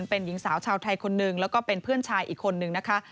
เป็นหญิงสาวชาวไทยคนหนึ่งแล้วก็เป็นเพื่อนชายอีกคนนึงนะคะ